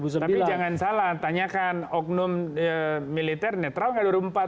tapi jangan salah tanyakan oknum militer netral nggak dua ribu empat untuk pak s b